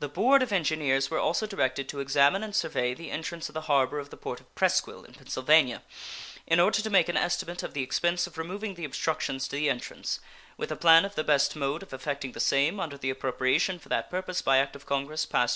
The Board of Engineers were also directed to examine and survey the entrance of the harbor of the port of Presqu'isle, in Pennsylvania, in order to make an estimate of the expense of removing the obstructions to the entrance, with a plan of the best mode of effecting the same, under the appropriation for that purpose by act of Congress passed 3rd of March last.